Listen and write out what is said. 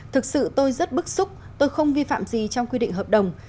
thực sự tôi rất bức xúc tôi không vi phạm gì trong quy định hợp đồng